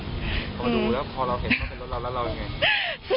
พอดูแล้วพอเราเห็นเห็นกาใจรถเล่าแหละลาอย่างไง